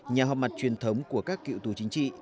nhà họp mặt truyền thống của các cựu tù chính trị